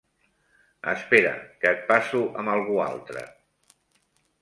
Espera, que et passo amb algú altre.